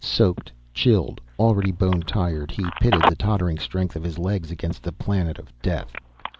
Soaked, chilled, already bone tired, he pitted the tottering strength of his legs against the planet of death.